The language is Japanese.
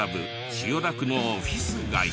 千代田区のオフィス街。